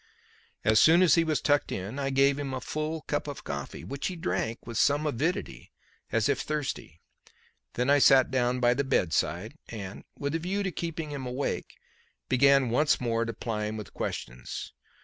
As soon as he was tucked in, I gave him a full cup of coffee, which he drank with some avidity as if thirsty. Then I sat down by the bedside, and, with a view to keeping him awake, began once more to ply him with questions.